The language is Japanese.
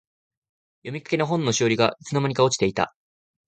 読みかけの本のしおりが、いつの間にか落ちていた。